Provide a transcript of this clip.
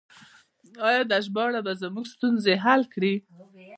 آیا دا ژباړه به زموږ ستونزې حل کړي؟